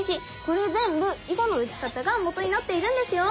これ全部囲碁の打ち方がもとになっているんですよ！